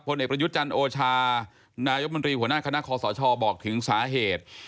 พิจารณ์โอชานายบรรยีหัวหน้าคณะคอสชบอกถึงสาเหตุ